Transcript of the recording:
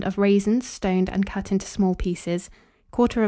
of raisins stoned and cut into small pieces, 1/4 lb.